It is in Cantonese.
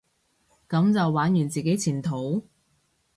噉就玩完自己前途？